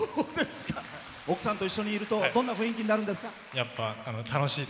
奥さんと一緒にいるとどんな雰囲気になるんですか？